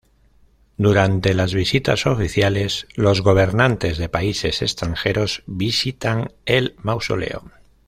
Durante las visitas oficiales, los gobernantes de países extranjeros visitan el mausoleo.